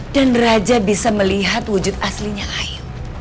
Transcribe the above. dan raja bisa melihat wujud aslinya ahyu